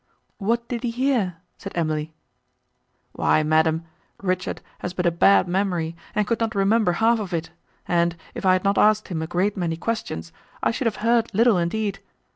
"What did he hear?" said Emily. "Why, madam, Richard has but a bad memory, and could not remember half of it, and, if I had not asked him a great many questions, I should have heard little indeed.